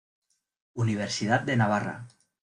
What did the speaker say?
Universidad de Navarra.